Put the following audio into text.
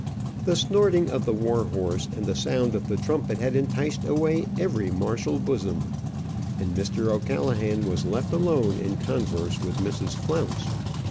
The snorting of the war horse and the sound of the trumpet had enticed away every martial bosom, and Mr. O'Callaghan was left alone in converse with Mrs. Flounce.